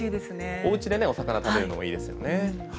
おうちで朝から食べるのもいいですよね。